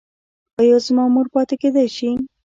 ایا زما مور پاتې کیدی شي؟